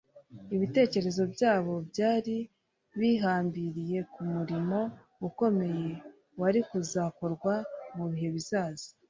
Ibitekerezo byabo byari bihambiriye ku murimo ukomeye wari kuzakorwa mu bihe bizaza